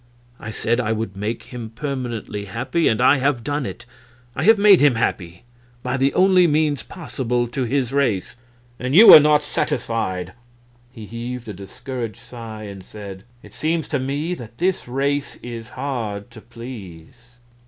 I said I would make him permanently happy, and I have done it. I have made him happy by the only means possible to his race and you are not satisfied!" He heaved a discouraged sigh, and said, "It seems to me that this race is hard to please."